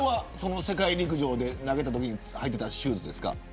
世界陸上で投げたときに履いていたシューズですか。